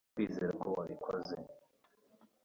sinshobora kwizera ko wabikoze